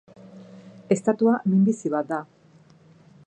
Estatua minbizi bat da.